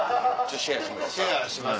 シェアします？